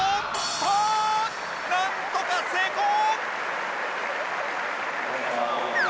なんとか成功！